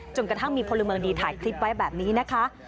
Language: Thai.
กระทั่งมีพลเมืองดีถ่ายคลิปไว้แบบนี้นะคะ